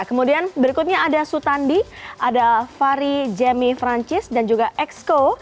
kemudian berikutnya ada sutandi ada fari jemi francis dan juga exco